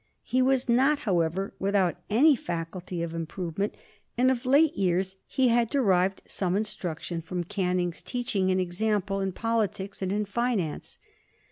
He was not, however, without any faculty for improvement, and of late years he had derived some instruction from Canning's teaching and example in politics and in finance.